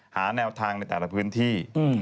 หาแนวทางในแต่ละพื้นที่